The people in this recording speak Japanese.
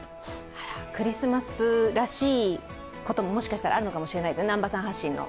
クリスマスらしいことももしかしたらあるかもしれないですね、南波さん発信の。